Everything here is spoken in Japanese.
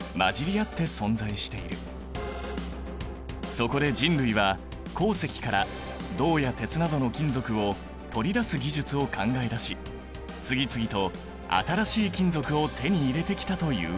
そこで人類は鉱石から銅や鉄などの金属を取り出す技術を考え出し次々と新しい金属を手に入れてきたというわけだ。